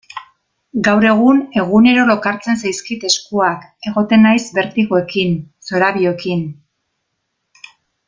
Gaur egun egunero lokartzen zaizkit eskuak, egoten naiz bertigoekin, zorabioekin...